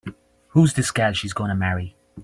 Who's this gal she's gonna marry?